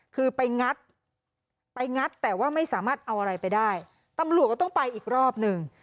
คือไปงัดไปงัดแต่ว่าไม่สามารถเอาอะไรไปได้ตำรวจก็ต้องไปอีกรอบหนึ่ง